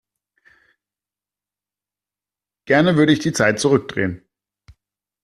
Gerne würde ich die Zeit zurückdrehen.